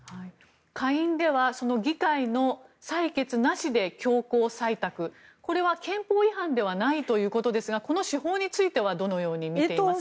下院では議会の採決なしで強行採択、これは憲法違反ではないということですがこの手法についてはどのように見ていますか。